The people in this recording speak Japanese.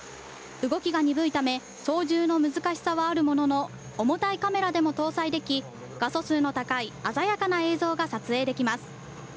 動きが鈍いため、操縦の難しさはあるものの、重たいカメラでも搭載でき、画素数の高い鮮やかな映像が撮影できます。